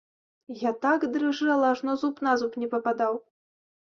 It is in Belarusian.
Я так дрыжэла, ажно зуб на зуб не пападаў.